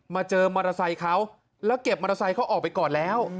เจอมอเตอร์ไซค์เขาแล้วเก็บมอเตอร์ไซค์เขาออกไปก่อนแล้ว